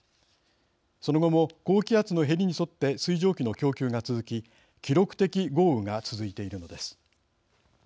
その後も高気圧のへりに沿って水蒸気の供給が続き記録的豪雨が続いているのです。